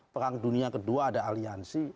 perang dunia kedua ada aliansi